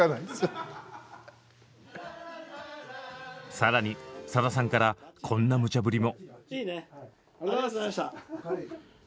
更にさださんからこんなむちゃぶりも。